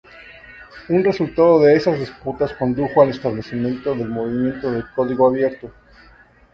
Un resultado de estas disputas condujo al establecimiento del movimiento de código abierto.